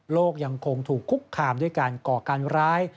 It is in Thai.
ยังคงถูกคุกคามด้วยการก่อการร้าย